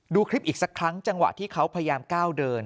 ดูคลิปอีกสักครั้งจังหวะที่เขาพยายามก้าวเดิน